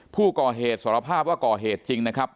ผู้ก่อเหตุสารภาพว่าก่อเหตุจริงนะครับ